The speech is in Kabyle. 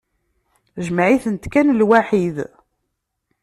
Jmeɛ-itent kan lwaḥid.